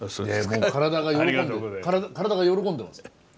体が喜んでます。